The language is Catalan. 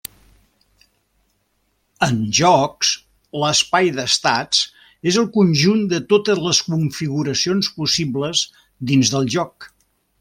En jocs, l'espai d'estats és el conjunt de totes les configuracions possibles dins del joc.